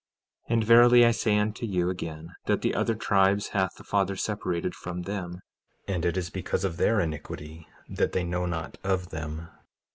15:20 And verily, I say unto you again that the other tribes hath the Father separated from them; and it is because of their iniquity that they know not of them.